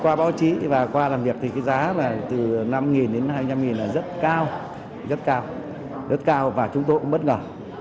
qua báo chí và qua làm việc thì cái giá từ năm đến hai trăm linh là rất cao rất cao rất cao và chúng tôi cũng bất ngờ